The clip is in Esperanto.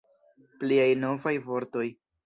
Pliaj novaj vortoj!